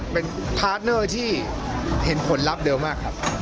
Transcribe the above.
เป็นพาร์ทเนอร์ที่เห็นผลลัพธ์เร็วมากครับ